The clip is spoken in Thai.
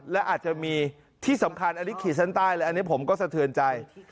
และอาจจะมีที่สำคัญอลิขิตสั้นใต้อันนี้ผมก็สะเทือนใจ